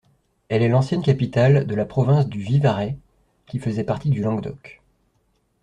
Elle est l'ancienne capitale de la province du Vivarais, qui faisait partie du Languedoc.